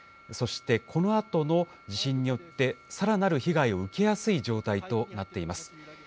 そしてこのあとの地震によって、さらなる被害を受けやすい状態となっています。